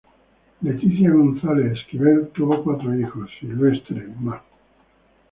Leticia González Esquivel, tuvo cuatro hijos: Silvestre, Ma.